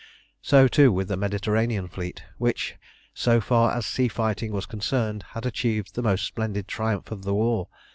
So, too, with the Mediterranean fleet, which, so far as sea fighting was concerned, had achieved the most splendid triumph of the war.